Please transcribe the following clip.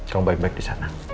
kamu baik baik disana